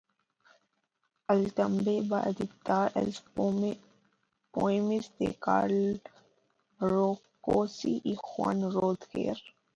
Ell també va editar els poemes de Carl Rakosi i John Rodker.